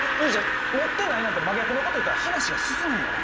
持ってないなんて真逆のこと言ったら話が進まへんやろ？